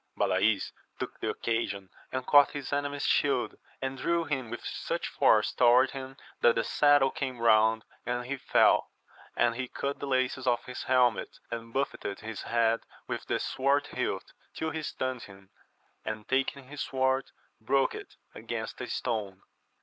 Balays took the occasion, and caught his enemy's shield, and drew him with such force toward him that the saddle came round and he fell, and he cut the laces of his helmet, and buffetted his head with the sword hilt till he stunned him, and taking his sword broke it against a stone.